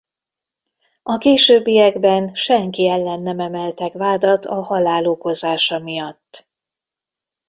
A későbbiekben senki ellen nem emeltek vádat a halál okozása miatt.